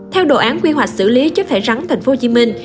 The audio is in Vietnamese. theo đồ án quy hoạch xử lý chất thải rắn thành phố hồ chí minh